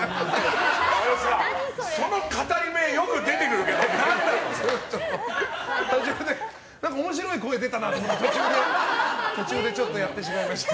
その語り部、よく出てくるけど面白い声出たなと思って途中でやってしまいました。